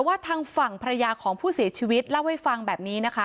ทางฝั่งภรรยาของผู้เสียชีวิตเล่าให้ฟังแบบนี้นะคะ